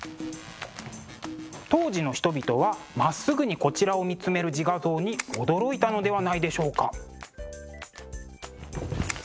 当時の人々はまっすぐにこちらを見つめる自画像に驚いたのではないでしょうか？